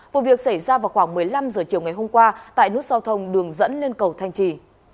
vụ việc xảy ra vào khoảng một mươi năm h chiều ngày hôm qua tại nút giao thông đường dẫn lên cầu thanh trì